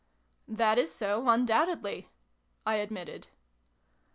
" That is so, undoubtedly," I admitted.